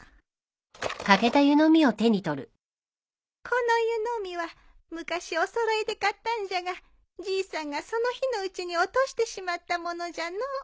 この湯飲みは昔お揃いで買ったんじゃがじいさんがその日のうちに落としてしまった物じゃのう。